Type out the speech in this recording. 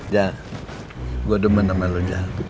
jal gue demen sama lu jal